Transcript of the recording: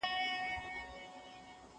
هغه ورځ به پر دې قام باندي رڼا سي